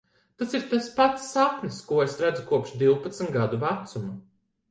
Tas ir tas pats sapnis, ko es redzu kopš divpadsmit gadu vecuma.